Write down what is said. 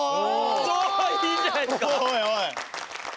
超いいんじゃないですか？